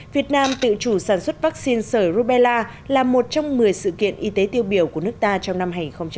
việt nam tự chủ sản xuất vaccine sởi rubella là một trong một mươi sự kiện y tế tiêu biểu của nước ta trong năm hai nghìn hai mươi